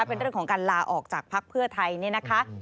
เป็นเรื่องของการลาออกจากภักดิ์เพื่อไทยนี่นะคะ